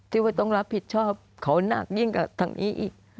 ที่ว่าต้องรับผิดชอบเขาหนักยิ่งกว่าทางนี้อีก